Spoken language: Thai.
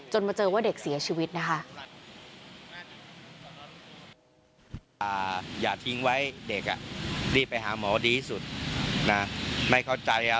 มาเจอว่าเด็กเสียชีวิตนะคะ